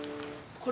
これ？